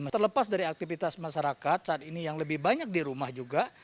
terlepas dari aktivitas masyarakat saat ini yang lebih banyak di rumah juga